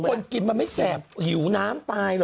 ไม่รู้คนกินมันไม่แตกหิวน้ำตายหรอ